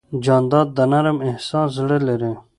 جانداد د نرم احساس زړه لري.